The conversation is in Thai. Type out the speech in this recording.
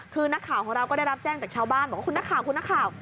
คือนักข่าวของเราก็ได้รับแจ้งจากชาวบ้านบอกว่าคุณนักข่าวคุณนักข่าว